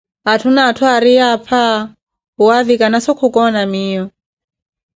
atthu na atthu ariiye apha kuwaavikhana so khukoona miiyo.